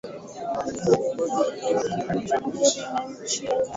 Ujerumani au Udachi kwa Kijerumani ni nchi ya Ulaya ya kati